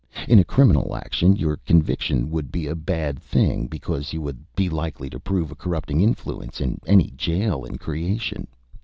In a criminal action your conviction would be a bad thing, because you would be likely to prove a corrupting influence in any jail in creation.